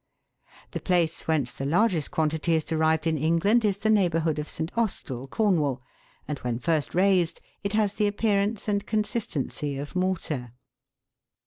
The place whence the largest quantity is derived in England is the neighbourhood of St. Austell, Cornwall, and when first raised it has the appearance and consistency of mortar.